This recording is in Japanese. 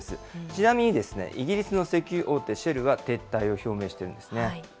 ちなみに、イギリスの石油大手、シェルは撤退を表明しているんですね。